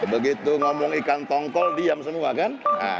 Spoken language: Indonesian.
begitu ngomong ikan tongkol diam semua kan